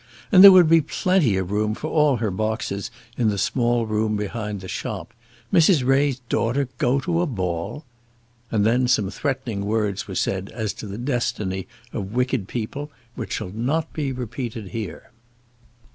And there would be plenty of room for all her boxes in the small room behind the shop. Mrs. Ray's daughter go to a ball!" And then some threatening words were said as to the destiny of wicked people, which shall not be repeated here.